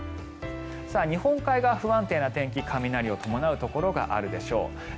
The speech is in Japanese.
日本海側、不安定な天気雷を伴うところがあるでしょう。